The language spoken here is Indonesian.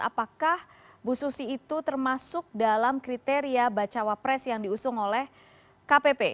apakah bu susi itu termasuk dalam kriteria bacawa pres yang diusung oleh kpp